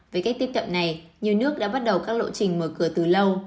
với cách tiếp cận này nhiều nước đã bắt đầu các lộ trình mở cửa từ lâu